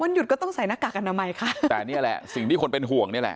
หยุดก็ต้องใส่หน้ากากอนามัยค่ะแต่นี่แหละสิ่งที่คนเป็นห่วงนี่แหละ